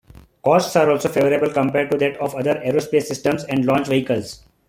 Costs are also favourable compared to that of other aerospace systems and launch vehicles.